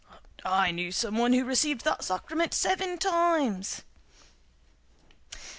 "I knew someone who received that sacrament seven times."